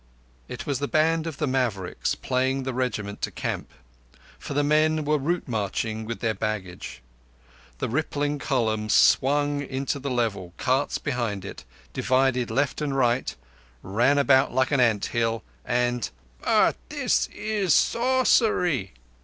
It was the band of the Mavericks playing the regiment to camp; for the men were route marching with their baggage. The rippling column swung into the level—carts behind it divided left and right, ran about like an ant hill, and ... "But this is sorcery!"